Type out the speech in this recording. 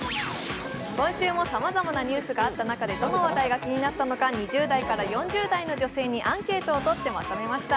今週もさまざまなニュースがあった中でどの話題が気になったのか２０代から４０代の女性にアンケートを取ってまとめました。